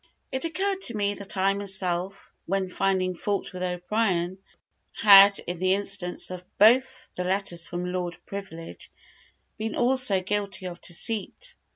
It occurred to me, that I myself, when finding fault with O'Brien, had, in the instance of both the letters from Lord Privilege, been also guilty of deceit.